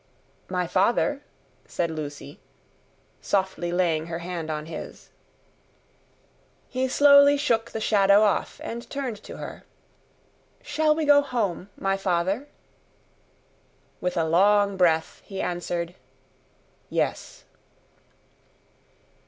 "My father," said Lucie, softly laying her hand on his. He slowly shook the shadow off, and turned to her. "Shall we go home, my father?" With a long breath, he answered "Yes."